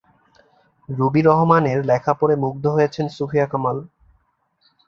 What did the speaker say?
Ruby রহমানের লেখা পড়ে মুগ্ধ হয়েছেন সুফিয়া কামাল।